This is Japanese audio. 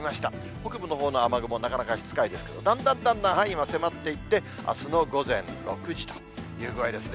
北部のほうの雨雲、なかなかしつこいですけど、だんだんだんだん範囲がせまっていって、あすの午前６時という具合ですね。